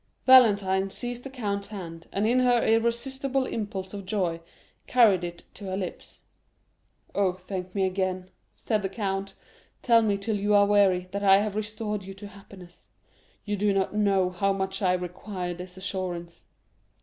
Valentine seized the count's hand, and in her irresistible impulse of joy carried it to her lips. 50275m "Oh, thank me again!" said the count; "tell me till you are weary, that I have restored you to happiness; you do not know how much I require this assurance."